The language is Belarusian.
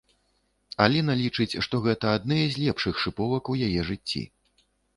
Аліна лічыць, што гэта адныя з лепшых шыповак у яе жыцці.